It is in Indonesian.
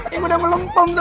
yang udah melompong tuh